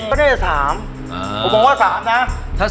ผมบอกว่า๓นะ